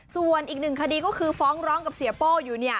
ส่วนอีกหนึ่งคดีก็คือฟ้องร้องกับเสียโป้อยู่เนี่ย